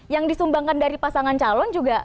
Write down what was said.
yang disumbangkan dari pasangan calon juga